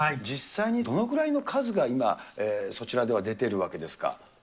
実際にどのぐらいの数が今、そちらでは出ているわけですか。